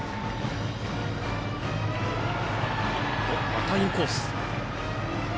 またインコース。